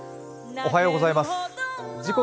おはようございます。